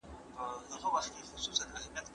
له سهاره تر ماښامه مست نشه وو